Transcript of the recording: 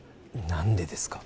何でですか？